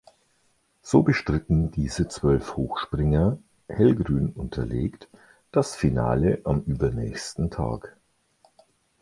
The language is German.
So bestritten diese zwölf Hochspringer (hellgrün unterlegt) das Finale am übernächsten Tag.